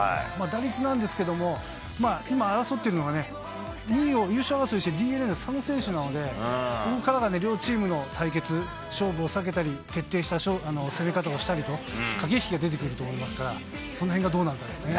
打率なんですけれども、今争っているのが、２位を優勝争いしているＤｅＮＡの佐野選手なので、これからが両チームの対決、勝負を避けたり、徹底した攻め方をしたりと、駆け引きが出てくると思いますから、そのへんがどうなるかですね。